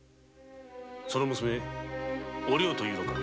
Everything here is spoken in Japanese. その娘お涼というのか？